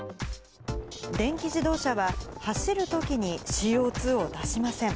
電気自動車は、走るときにＣＯ２を出しません。